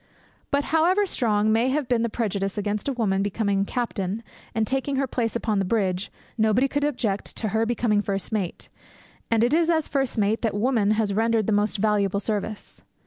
But, however strong may have been the prejudice against a woman becoming captain, and taking her place upon the bridge, nobody could object to her becoming first mate; and it is as first mate that woman has rendered the most valuable service.